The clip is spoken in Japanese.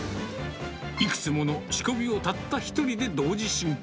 いくつもの仕込みをたった１人で同時進行。